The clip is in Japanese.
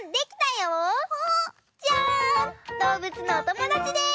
どうぶつのおともだちです！